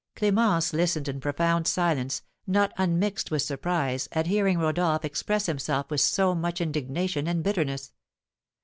Clémence listened in profound silence, not unmixed with surprise, at hearing Rodolph express himself with so much indignation and bitterness.